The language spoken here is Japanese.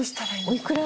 おいくら？